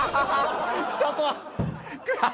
ちょっと。